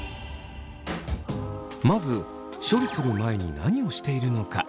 まず処理する前に何をしているのか。